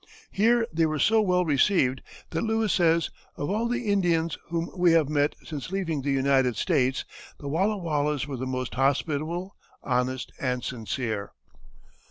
Here they were so well received that Lewis says: "Of all the Indians whom we have met since leaving the United States, the Wallawallas were the most hospitable, honest, and sincere."